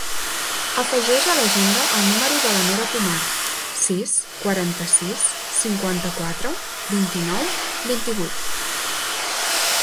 Afegeix a l'agenda el número de la Nora Pomar: sis, quaranta-sis, cinquanta-quatre, vint-i-nou, vint-i-vuit.